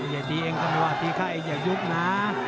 อย่าดีเองก็ไม่ว่าดีข้าเองอย่ายุบนะ